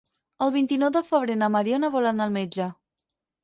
El vint-i-nou de febrer na Mariona vol anar al metge.